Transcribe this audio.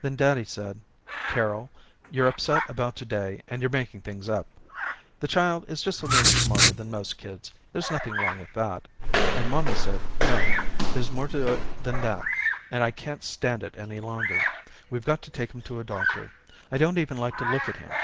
Then daddy said Carol, you're upset about today and you're making things up. The child is just a little smarter than most kids, there's nothing wrong with that. And mommy said no, there's more to it than that and I can't stand it any longer. We've got to take him to a doctor, I don't even like to look at him.